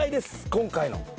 今回の。